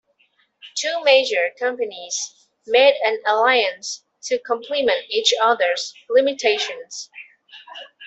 Two major companies made an alliance to compliment each other's limitations.